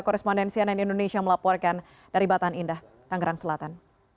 korespondensi ann indonesia melaporkan dari batan indah tangerang selatan